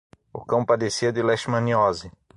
O cão padecia de leishmaniose